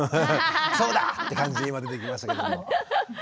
そうだ！って感じで今出てきましたけれども。